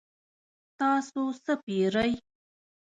تاسو څه پیرئ؟